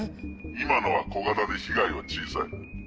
今のは小型で被害は小さい。